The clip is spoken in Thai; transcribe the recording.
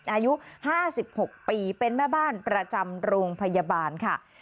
อายุ๕๖ปีเป็นแม่บ้านประจำโรงพยาบาลค่ะ